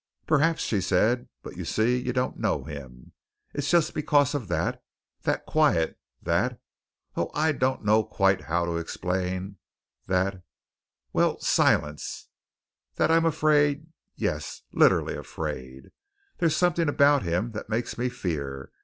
"Perhaps," she said. "But, you see, you don't know him. It's just because of that that quiet that oh, I don't quite know how to explain! that well, silence that I'm afraid yes, literally afraid. There's something about him that makes me fear.